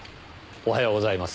おはようございます。